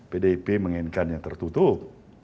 pdip menginginkan yang tertutup